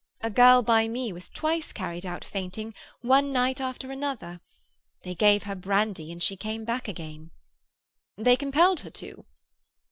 A girl by me was twice carried out fainting, one night after another. They gave her brandy, and she came back again." "They compelled her to?"